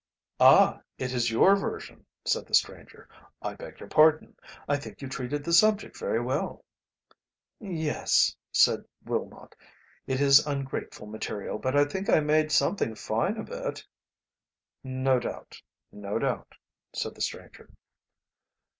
"Ah! it is your version!" said the stranger. "I beg your pardon, I think you treated the subject very well." "Yes," said Willmott, "it is ungrateful material, but I think I made something fine of it." "No doubt, no doubt," said the stranger.